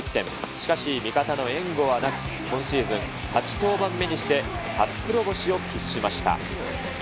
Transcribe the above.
しかし、味方の援護はなく、今シーズン、８登板目にして初黒星を喫しました。